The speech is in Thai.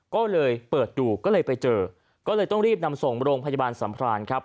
ก็เลยเปิดดูก็เลยไปเจอก็เลยต้องรีบนำส่งโรงพยาบาลสัมพรานครับ